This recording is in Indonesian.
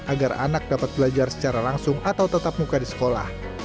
agar anak dapat belajar secara langsung atau tetap muka di sekolah